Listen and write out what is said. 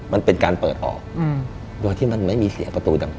มันเป็นการเปิดออกโดยที่มันไม่มีเสียประตูดัง